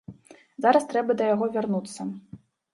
Зараз трэба да яго вярнуцца.